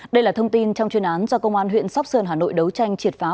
đây là thông tin trong chuyên án do công an huyện sóc sơn hà nội đấu tranh triệt phá